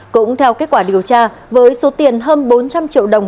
cũng theo kết quả điều tra với số tiền hơn bốn trăm linh triệu đồng